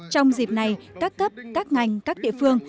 trong dịp này các cấp các ngành các địa phương